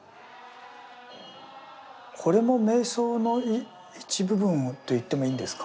これも瞑想の一部分といってもいいんですか？